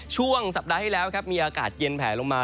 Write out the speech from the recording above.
ช่วงสัปดาห์ที่แล้วครับมีอากาศเย็นแผลลงมา